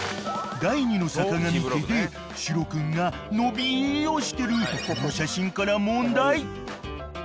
［第２のさかがみ家でシロ君が伸びをしてるこの写真から問題］